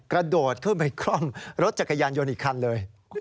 กระโดดเข้าไปกล้องรถจักรยานยนต์อีกครั้งเลย